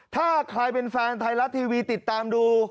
ถ้าใครเป็นแฟนไทยรัฐทีวีติดตามดู